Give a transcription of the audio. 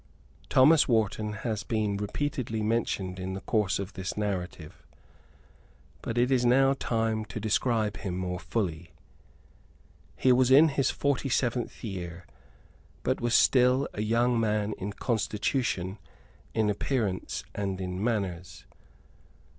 Thomas Wharton has been repeatedly mentioned in the course of this narrative. But it is now time to describe him more fully. He was in his forty seventh year, but was still a young man in constitution, in appearance and in manners.